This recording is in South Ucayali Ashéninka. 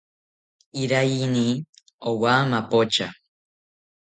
Iraiyini owa mapocha